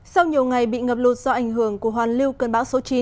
sau nhiều ngày bị ngập lụt do ảnh hưởng của hoàn lưu cơn bão số chín